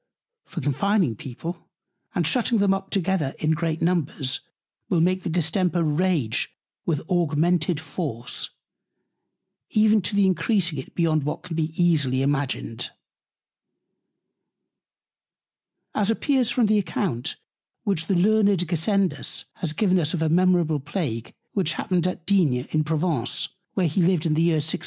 For confining People, and shutting them up together in great Numbers, will make the Distemper rage with augmented Force, even to the increasing it beyond what can be easily imagined; As appears from the Account, which the learned Gassendus has given us of a memorable Plague, which happened at Digne in Provence, where he lived, in the Year 1619.